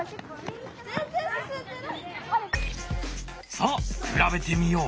さあ比べてみよう！